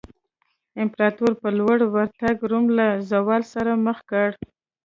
امپراتورۍ په لور ورتګ روم له زوال سره مخ کړ.